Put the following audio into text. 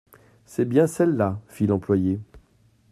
C'est bien celle-là, fit l'employé.